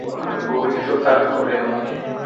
গোরুই তো তাড়া করে আমাকে।